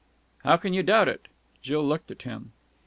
"How can you doubt it?" Jill looked at him.